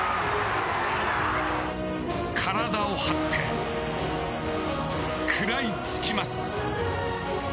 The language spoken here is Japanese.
体を張って食らいつきます。